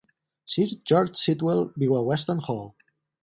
Sir George Sitwell viu a Weston Hall.